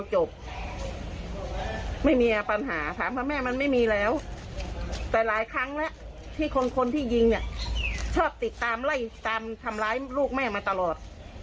ชอบติดตามไล่ทำร้ายลูกแม่มาตลอด